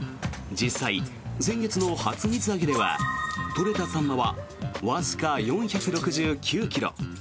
実際、先月の初水揚げでは取れたサンマはわずか４６９ｋｇ。